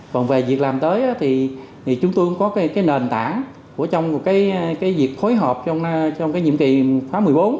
còn về việc làm tới chúng tôi cũng có nền tảng trong việc khối hợp trong nhiệm kỳ phá một mươi bốn